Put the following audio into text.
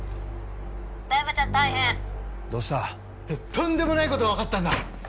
とんでもない事がわかったんだ！